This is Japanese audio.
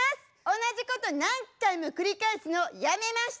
同じこと何回も繰り返すのやめました！